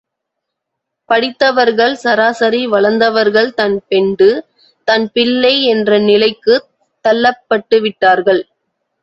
படித்தவர்கள் சராசரி வளர்ந்தவர்கள் தன் பெண்டு, தன் பிள்ளை, என்ற நிலைக்குத் தள்ளப்பட்டுவிட்டார்கள்.